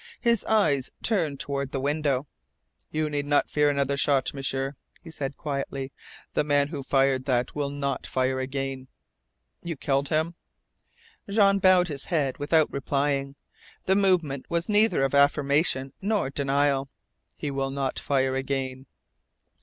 His eyes turned toward the window. "You need not fear another shot, M'sieur," he said quietly. "The man who fired that will not fire again." "You killed him?" Jean bowed his head without replying. The movement was neither of affirmation nor denial: "He will not fire again."